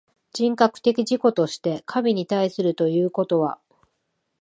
人格的自己として神に対するということは、